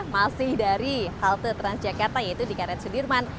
masih dari halte transjakarta yaitu di karet sudirman